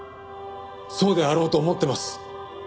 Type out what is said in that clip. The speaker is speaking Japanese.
そうであろうと思ってます。